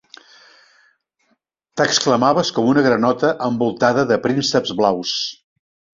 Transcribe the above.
T'exclamaves com una granota envoltada de prínceps blaus.